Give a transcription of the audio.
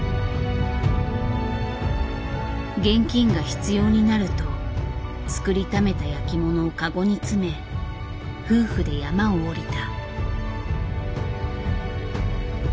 現金が必要になると作りためた焼きものをカゴに詰め夫婦で山を下りた。